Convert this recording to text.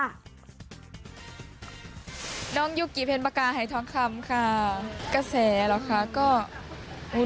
ค่ะน้องยุกิเผ็ดประการไฮท้องคำค่ะกระแสหรอกค่ะก็อุ้ย